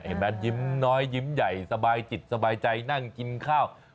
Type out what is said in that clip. ยิ้มน้อยยิ้มใหญ่สบายจิตสบายใจนั่งกินข้าว